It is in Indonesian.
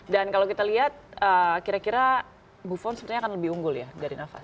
dan kalau kita lihat kira kira buffon sebenarnya akan lebih unggul ya dari navas